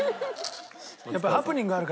やっぱりハプニングあるから。